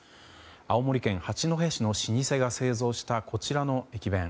青森県八戸市の老舗が製造したこちらの駅弁。